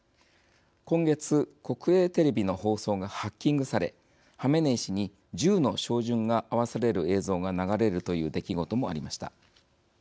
今月、国営テレビの放送がハッキングされハメネイ師に銃の照準が合わされる映像が流れるという出来事もありました。